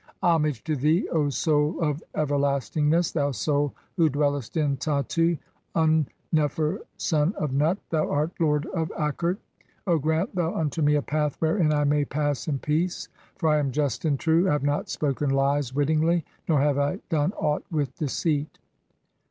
(3) "Homage to thee, O Soul of everlastingness, thou Soul 'who dwellest in Tattu, Un nefer, son of Nut ; thou art lord 'of Akert. (10) O grant thou unto me a path wherein I mav 'pass in peace, for I am just and true ; I have not spoken lies 'wittingly, nor have I done aught with deceit."